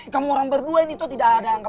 kamu orang berdua ini tuh tidak ada anggap